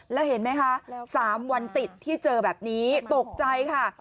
แล้วเห็นไหมคะ๓วันติดที่เจอแบบนี้ตกใจค่ะ